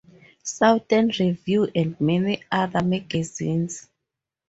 "Southern Review", and many other magazines.